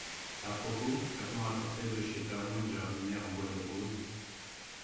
À propos, a-t-on apporté de chez Tahan une jardinière en bois de rose ?